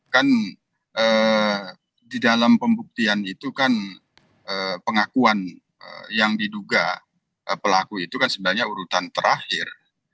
kan di dalam pembuktian itu kan pengakuan yang diduga pelaku itu kan sebenarnya urutan terakhir